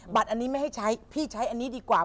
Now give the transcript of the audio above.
อันนี้ไม่ให้ใช้พี่ใช้อันนี้ดีกว่า